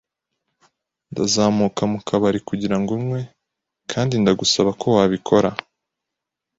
Ndazamuka mu kabari kugira ngo nywe, kandi ndagusaba ko wabikora.